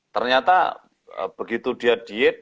ternyata begitu dia diet